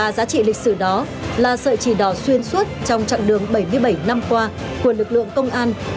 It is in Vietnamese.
giá trị lịch sử đó là sợi trì đỏ xuyên suốt trong chặng đường bảy mươi bảy năm qua của lực lượng công an